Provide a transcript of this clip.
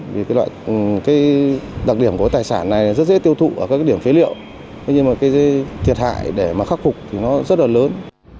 vì đặc điểm của tài sản này rất dễ tiêu thụ ở các điểm phế liệu nhưng thiệt hại để khắc phục thì nó rất là lớn